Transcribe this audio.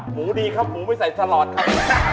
หมูดีครับหมูไม่ใส่ถลอดครับ